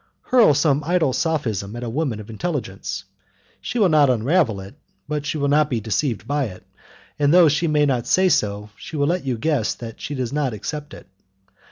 Hurl some idle sophism at a woman of intelligence. She will not unravel it, but she will not be deceived by it, and, though she may not say so, she will let you guess that she does not accept it.